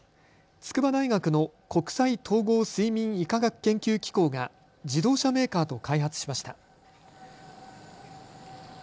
筑波大学の国際統合睡眠医科学研究機構が自動車メーカーと開発しました。